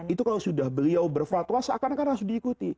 itu kalau sudah beliau berfatwa seakan akan harus diikuti